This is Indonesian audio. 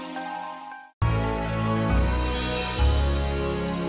terima kasih bang